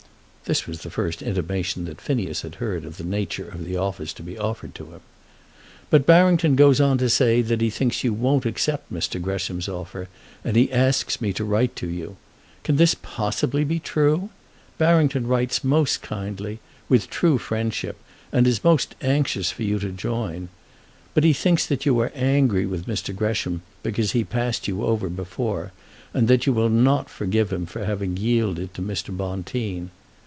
[This was the first intimation that Phineas had heard of the nature of the office to be offered to him. ] But Barrington goes on to say that he thinks you won't accept Mr. Gresham's offer, and he asks me to write to you. Can this possibly be true? Barrington writes most kindly, with true friendship, and is most anxious for you to join. But he thinks that you are angry with Mr. Gresham because he passed you over before, and that you will not forgive him for having yielded to Mr. Bonteen.